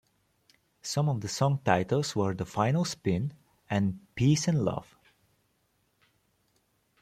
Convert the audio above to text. Some of the song titles were "The Final Spin" and "Peace And Love".